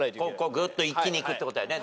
こうぐっと一気にいくってことよね。